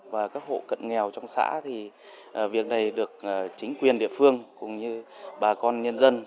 và các hộ cận nghèo trong xã thì việc này được chính quyền địa phương cũng như bà con nhân dân